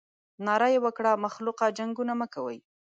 ناره یې وکړه مخلوقه جنګونه مه کوئ.